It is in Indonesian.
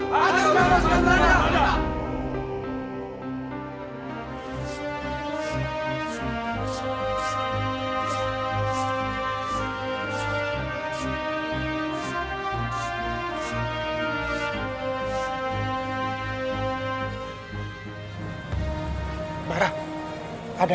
hancurkan pasukan belanda